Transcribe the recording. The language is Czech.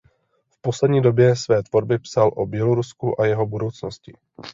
V poslední době své tvorby psal o Bělorusku a jeho budoucnosti.